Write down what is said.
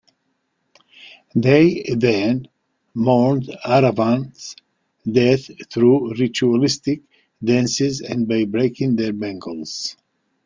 They then mourn Aravan's death through ritualistic dances and by breaking their bangles.